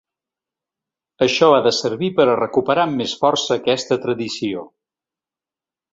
Això ha de servir per a recuperar amb més força aquesta tradició.